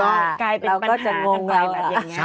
เราก็จะงงเราอะเป็นปัญหากันไปแบบนี้ใช่